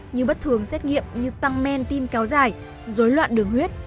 như bất thường xét nghiệm như tăng men tim kéo dài dối loạn đường huyết